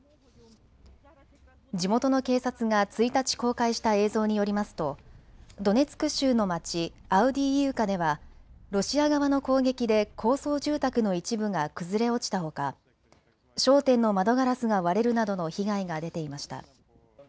地元の警察が１日、公開した映像によりますとドネツク州の街、アウディーイウカではロシア側の攻撃で高層住宅の一部が崩れ落ちたほか商店の窓ガラスが割れるなどの被害が出ていました。